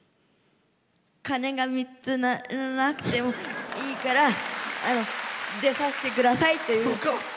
鐘が３つ鳴らなくてもいいから出させてくださいっていう。